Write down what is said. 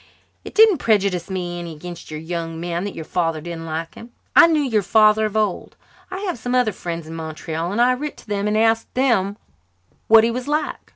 It didn't prejudice me any against your young man that your father didn't like him. I knew your father of old. I have some other friends in Montreal and I writ to them and asked them what he was like.